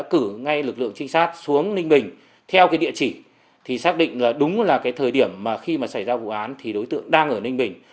đã cử ngay lực lượng trinh sát xuống ninh bình theo cái địa chỉ thì xác định là đúng là cái thời điểm mà khi mà xảy ra vụ án thì đối tượng đang ở ninh bình